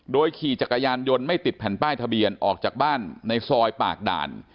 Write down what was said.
ขี่จักรยานยนต์ไม่ติดแผ่นป้ายทะเบียนออกจากบ้านในซอยปากด่าน